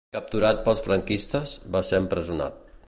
Capturat pels franquistes, va ser empresonat.